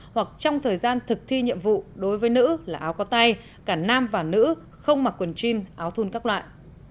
hoặc trong thời gian thực thi nhiệm vụ đối với nữ là áo có tay cả nam và nữ không mặc quần chin áo thun các loại